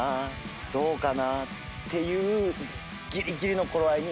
どうかな？っていうぎりぎりの頃合いに。